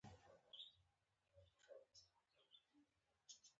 زه د راډیو زړې خپرونې لا هم خوښوم.